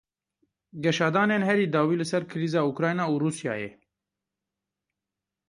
Geşadanên herî dawî li ser krîza Ukrayna û Rûsyayê.